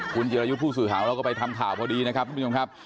คุณจิรยุทธ์ผู้สื่อข่าวเราก็ไปทำข่าวพอดีนะครับทุกผู้ชมครับ